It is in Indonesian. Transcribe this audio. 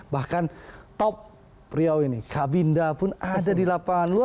bahkan top pria ini kabinda pun ada di lapangan luar